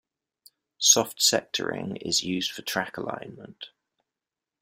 Soft sectoring is used for track alignment.